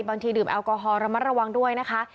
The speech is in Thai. ดื่มแอลกอฮอลระมัดระวังด้วยนะคะ